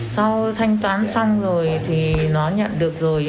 sau thanh toán xong rồi thì nó nhận được rồi